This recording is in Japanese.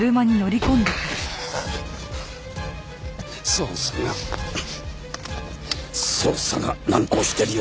捜査が捜査が難航してるようだな